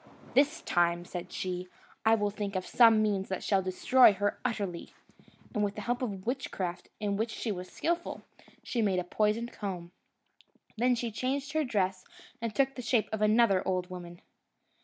"This time," said she, "I will think of some means that shall destroy her utterly;" and with the help of witchcraft, in which she was skilful, she made a poisoned comb. Then she changed her dress and took the shape of another old woman.